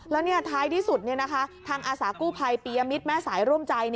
แล้วท้ายที่สุดทางอาสากู้ภัยปียมิตรแม่สายร่วมใจ